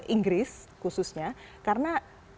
inggris khususnya karena